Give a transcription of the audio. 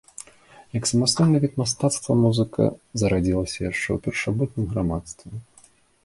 Як самастойны від мастацтва музыка зарадзілася яшчэ ў першабытным грамадстве.